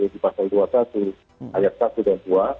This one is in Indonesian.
di pasal dua puluh satu ayat satu dan dua